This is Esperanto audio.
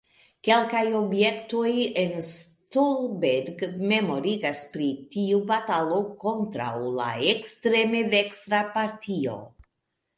Kelkaj objektoj en Stolberg memorigas pri tiu batalo kontraŭ la ekstreme dekstra partio.